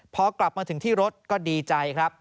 พอกลับมาถึงที่รถก็ดีใจครับ